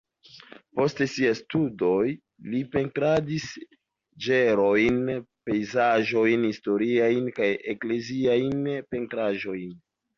Post siaj studoj li pentradis ĝenrojn, pejzaĝojn, historiajn kaj ekleziajn pentraĵojn.